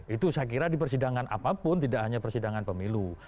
itu saya kira di persidangan apapun tidak hanya persidangan pemilu